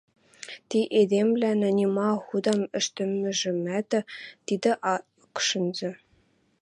Ти эдемвлӓлӓн нима худам ӹштӹмӹжӹмӓт тидӹ ак шӹнзӹ.